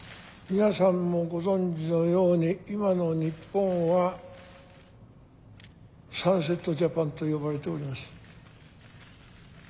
皆さんもご存じのように今の日本はサンセット・ジャパンと呼ばれております。